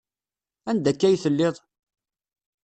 Anda akka ay telliḍ?